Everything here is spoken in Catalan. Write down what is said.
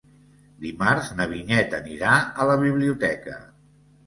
Dimarts na Vinyet anirà a la biblioteca.